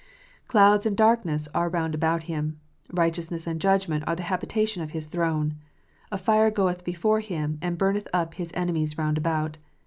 Clouds and darkness are round about Him : righteousness and judgment are the habitation of His throne. A fire goeth before Him, and burneth up His enemies round about.